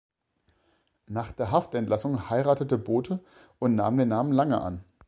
Nach der Haftentlassung heiratete Bothe und nahm den Namen Lange an.